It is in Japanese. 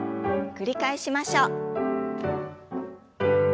繰り返しましょう。